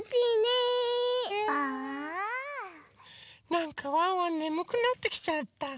なんかワンワンねむくなってきちゃった。